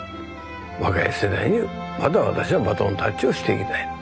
若い世代にまた私はバトンタッチをしていきたい。